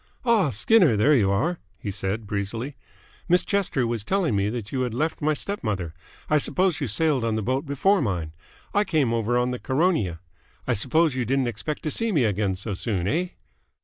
"Ah, Skinner, there you are!" he said breezily. "Miss Chester was telling me that you had left my step mother. I suppose you sailed on the boat before mine. I came over on the Caronia. I suppose you didn't expect to see me again so soon, eh?"